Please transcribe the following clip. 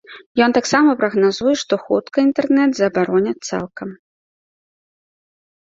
Ён таксама прагназуе, што хутка інтэрнэт забароняць цалкам.